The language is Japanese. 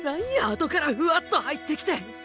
あとからふわっと入ってきて。